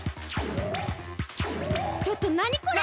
ちょっとなにこれ！？